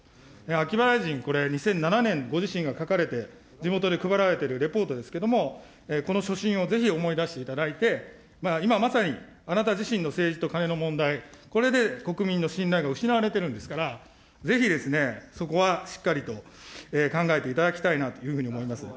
秋葉大臣、これ、２００７年、ご自身が書かれて、地元で配られているレポートですけれども、この所信をぜひ思い出していただいて、今まさに、あなた自身の政治とカネの問題、これで国民の信頼が失われているんですから、ぜひですね、そこはしっかりと考えていただきたいなというふうに思います。